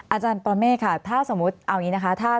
อาจารย์ปรเมฆค่ะถ้าสมมุติเอาอย่างนี้นะคะ